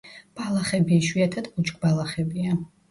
ბალახები, იშვიათად ბუჩქბალახებია.